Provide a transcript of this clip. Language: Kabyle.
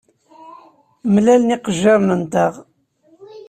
Mlalen yiqejjiren-nteɣ.